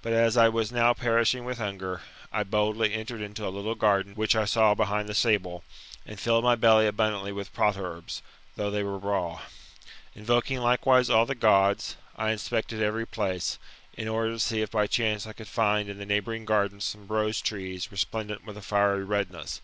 But as I was now perishing with hunger, I boldly entered into a little garden which I saw behind the stable, and filled my belly abundantly with potherbs, though they were raw. Invoking likewise all the. Gods, I inspected every place, in order to see if by chance I could find in the neighbouring gardens some rose trees resplendent with a fiery redness.